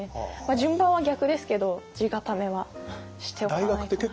順番は逆ですけど地固めはしておかないとなって。